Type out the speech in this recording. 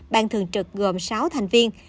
ban thường trực gồm sáu thành viên